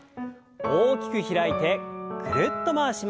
大きく開いてぐるっと回します。